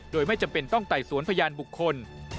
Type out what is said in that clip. โดยไม่จำเป็นต้องไต่สวนพยานบุคคล